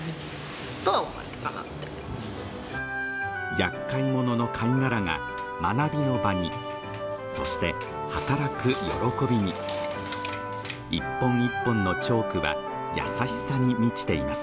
厄介者の貝殻が学びの場にそして働く喜びに１本１本のチョークは優しさに満ちています